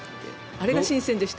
あれが新鮮でした。